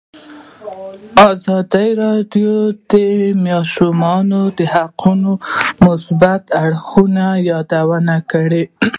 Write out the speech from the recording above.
ازادي راډیو د د ماشومانو حقونه د مثبتو اړخونو یادونه کړې.